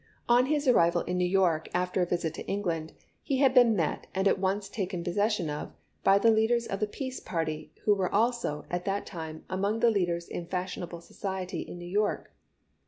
On his arrival in New York after a visit to England, he had been met and at once taken possession of by the leaders of the peace party, who were also, at that time, among the leaders in fashionable society in New York.